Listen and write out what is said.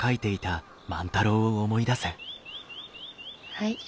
はい。